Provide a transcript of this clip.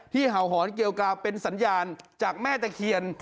เห่าหอนเกียวกราวเป็นสัญญาณจากแม่ตะเคียน